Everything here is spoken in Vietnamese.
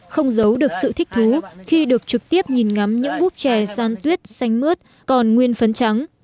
không giấu được sự thích thú khi được trực tiếp nhìn ngắm những búp chè san tuyết xanh mướt còn nguyên phấn trắng